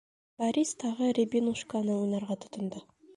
Борис тағы «Рябинушка»ны уйнарға тотондо.